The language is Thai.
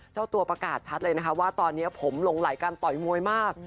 เจ้าตัวประกาศชัดเลยนะคะว่าตอนนี้ผมหลงไหลการต่อยมวยมาก